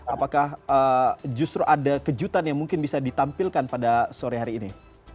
apakah justru ada kejutan yang mungkin bisa ditampilkan pada sore hari ini